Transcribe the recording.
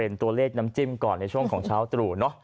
เป็นตัวเลขน้ำจิ้มก่อนในช่วงของเช้าตรู่เนอะ